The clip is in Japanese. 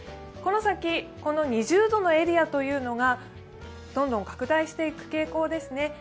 この先この２０度のエリアというのがどんどん拡大していく傾向ですね。